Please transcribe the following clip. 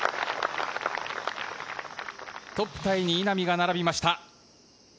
トップタイに稲見が並びました。